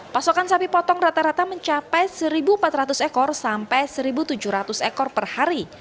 pasokan sapi potong rata rata mencapai satu empat ratus ekor sampai satu tujuh ratus ekor per hari